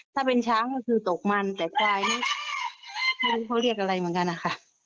ถ้าเป็นช้างก็คือตกมันแต่ควายนี่ไม่รู้เขาเรียกอะไรเหมือนกันนะคะ